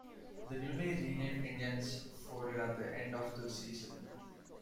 The newly renamed Indians folded at the end of the season.